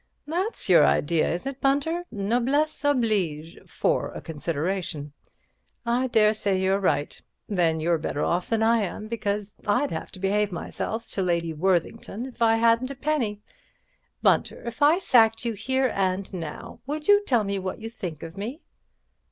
"That's your idea, is it, Bunter? Noblesse oblige—for a consideration. I daresay you're right. Then you're better off than I am, because I'd have to behave myself to Lady Worthington if I hadn't a penny. Bunter, if I sacked you here and now, would you tell me what you think of me?"